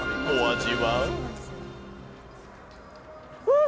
お味は？